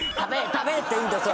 食べ！」って言うんです。